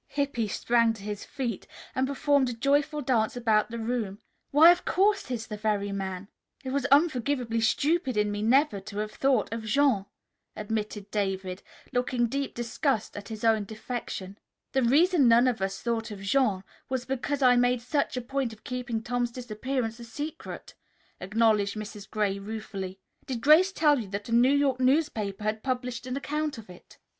Hippy sprang to his feet and performed a joyful dance about the room. "Why, of course he's the very man!" "It was unforgivably stupid in me never to have thought of Jean," admitted David, looking deep disgust at his own defection. "The reason none of us thought of Jean was because I made such a point of keeping Tom's disappearance a secret," acknowledged Mrs. Gray ruefully. "Did Grace tell you that a New York newspaper had published an account of it?"